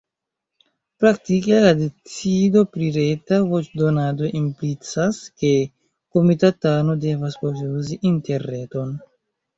Praktike la decido pri reta voĉdonado implicas, ke komitatano devas povi uzi interreton.